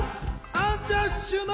アンジャッシュの。